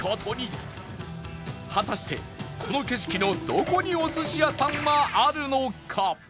果たしてこの景色のどこにお寿司屋さんはあるのか？